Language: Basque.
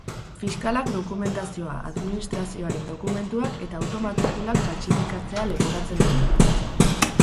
Fiskalak dokumentazioa, administrazioaren dokumentuak eta auto-matrikulak faltsifikatzea leporatzen dio.